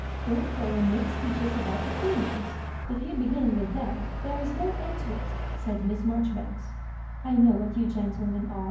Don't go and make speeches about opinions. If you begin with that, there is no end to it^" said Miss Marjoribanks. " I know what you gentlemen are.